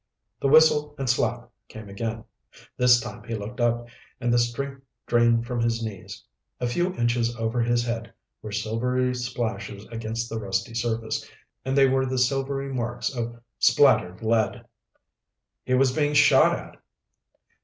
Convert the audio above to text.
The whistle and slap came again. This time he looked up, and the strength drained from his knees. A few inches over his head were silvery splashes against the rusty surface, and they were the silvery marks of splattered lead! He was being shot at!